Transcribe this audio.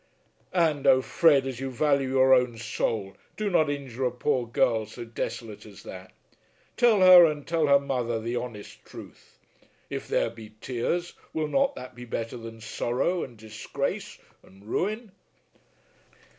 "And, oh, Fred, as you value your own soul, do not injure a poor girl so desolate as that. Tell her and tell her mother the honest truth. If there be tears, will not that be better than sorrow, and disgrace, and ruin?"